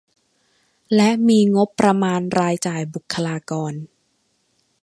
และมีงบประมาณรายจ่ายบุคลากร